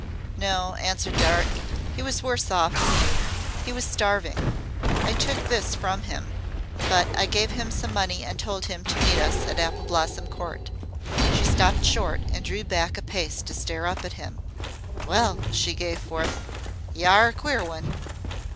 "No," answered Dart. "He was worse off than you. He was starving. I took this from him; but I gave him some money and told him to meet us at Apple Blossom Court." She stopped short and drew back a pace to stare up at him. "Well," she gave forth, "y' ARE a queer one!"